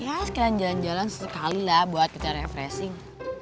ya sekalian jalan jalan sekali lah buat kita refreshing